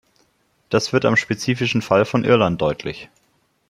Das wird am spezifischen Fall von Irland deutlich.